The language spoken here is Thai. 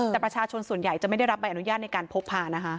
แต่ประชาชนส่วนใหญ่จะไม่ได้รับใบอนุญาตในการพกพานะคะ